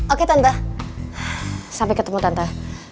oke tante sampai ketemu tanta